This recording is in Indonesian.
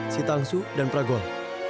si tangsu dan pragol